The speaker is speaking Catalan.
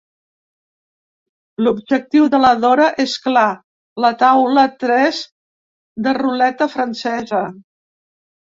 L'objectiu de la Dora és clar: la taula tres de ruleta francesa.